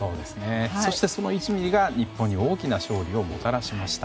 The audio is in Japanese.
そしてその１ｍｍが日本に大きな勝利をもたらしました。